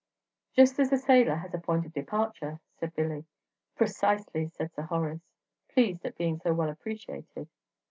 "Just as a sailor has a point of departure," said Billy. "Precisely," said Sir Horace, pleased at being so well appreciated.